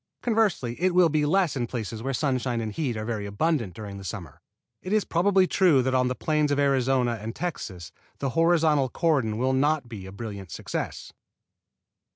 Conversely it will be less in places where sunshine and heat are very abundant during the summer. It is probably true that on the plains of Arizona and Texas the horizontal cordon will not be a brilliant success.